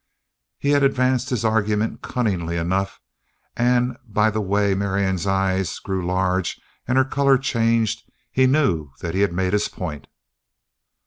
He had advanced his argument cunningly enough and by the way Marianne's eyes grew large and her color changed, he knew that he had made his point.